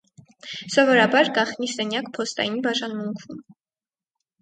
Սովորաբար գաղտնի սենյակ փոստային բաժանմունքում։